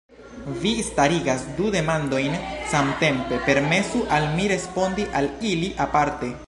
Vi starigas du demandojn samtempe, permesu al mi respondi al ili aparte.